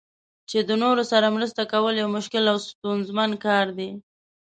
چې د نورو سره مرسته کول یو مشکل او ستونزمن کار دی.